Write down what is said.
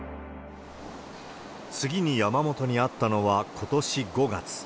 次に山本に会ったのは、ことし５月。